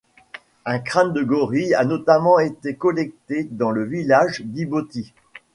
Un crâne de gorille a notamment été collecté dans le village d'Iboti.